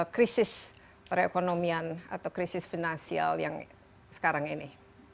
krisis perekonomian atau krisis finansial yang sekarang ini